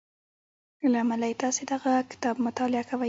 له امله یې تاسې دغه کتاب مطالعه کوئ